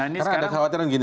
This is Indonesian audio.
nah ini sekarang